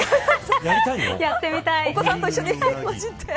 やってみたい。